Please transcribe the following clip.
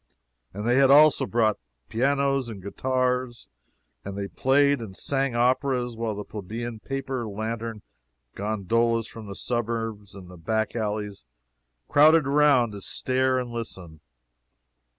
And they had also brought pianos and guitars, and they played and sang operas, while the plebeian paper lanterned gondolas from the suburbs and the back alleys crowded around to stare and listen.